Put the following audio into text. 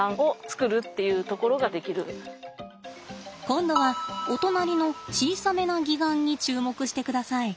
今度はお隣の小さめな擬岩に注目してください。